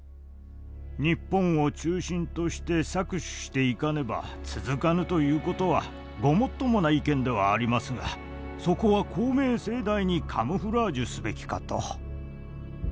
日本を中心として搾取していかねば続かぬという事はごもっともな意見ではありますがそこは公明正大にカムフラージュすべきかと。